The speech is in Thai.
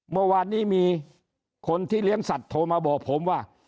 เมื่อวานนี้มีคนที่เลี้ยงสัตว์โทรมาบอกผมว่า